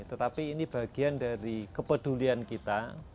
tetapi ini bagian dari kepedulian kita